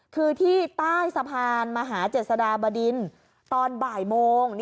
คือที่ใต้สะพานมหาเจษฎาบดินตอนบ่ายโมง